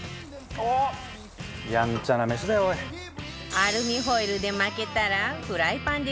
アルミホイルで巻けたらフライパンで